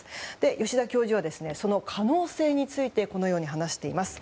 吉田教授はその可能性についてこのように話しています。